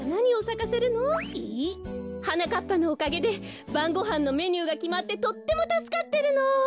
はなかっぱのおかげでばんごはんのメニューがきまってとってもたすかってるの。